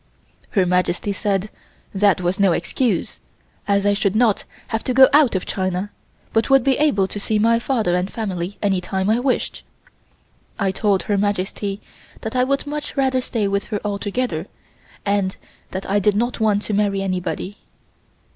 Her Majesty said that was no excuse as I should not have to go out of China but would be able to see my father and family any time I wished. I told Her Majesty that I would much rather stay with her altogether and that I did not want to marry anybody.